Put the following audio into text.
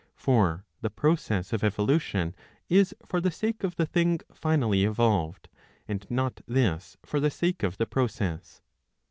For the process of evolution is for the sake of the thing finally evolved, and not this for the sake of the process.